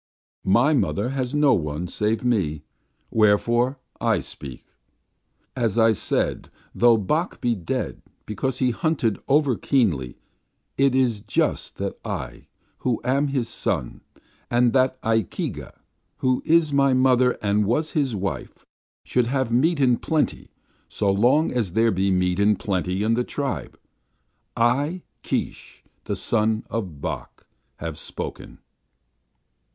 My mother has no one, save me; wherefore I speak. As I say, though Bok be dead because he hunted over keenly, it is just that I, who am his son, and that Ikeega, who is my mother and was his wife, should have meat in plenty so long as there be meat in plenty in the tribe. I, Keesh, the son of Bok, have spoken."